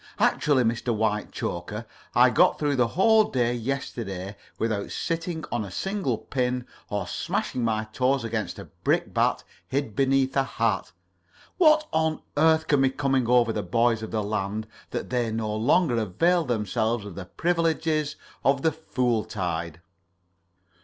Actually, Mr. Whitechoker, I got through the whole day yesterday without sitting on a single pin or smashing my toes against a brickbat hid beneath a hat. What on earth can be coming over the boys of the land that they no longer avail themselves of the privileges of the fool tide?"